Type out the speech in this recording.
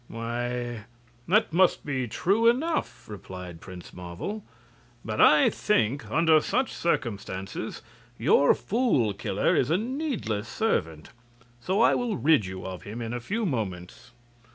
"Why, that may be true enough," replied Prince Marvel. "But I think, under such circumstances, your Fool Killer is a needless servant. So I will rid you of him in a few moments."